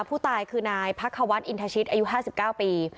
ผู้ตายคือนายพักควัฒน์อินทชิตอายุ๕๙ปี